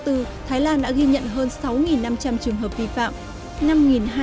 thái lan đã ghi nhận hơn sáu năm trăm linh trường hợp vi phạm